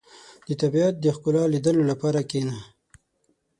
• د طبیعت د ښکلا لیدلو لپاره کښېنه.